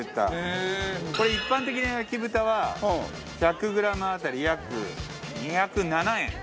これ一般的な焼豚は１００グラム当たり約２０７円。